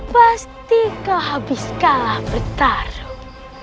pasti kau habis kalah bertarung